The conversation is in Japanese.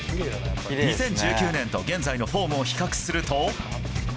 ２０１９年と現在のフォームを比較すると。